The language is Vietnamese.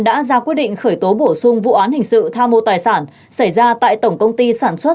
đã ra quyết định khởi tố bổ sung vụ án hình sự tha mô tài sản xảy ra tại tổng công ty sản xuất